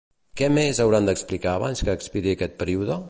Què més hauran d'explicar abans que expiri aquest període?